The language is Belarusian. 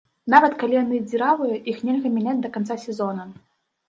Нават калі яны дзіравыя, іх нельга мяняць да канца сезона.